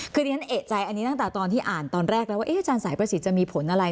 คือที่ฉันเอกใจอันนี้ตั้งแต่ตอนที่อ่านตอนแรกแล้วว่าอาจารย์สายประสิทธิ์จะมีผลอะไร